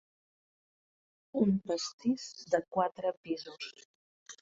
Un pastís de quatre pisos.